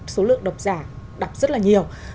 số lượng độc giả đập rất là nhiều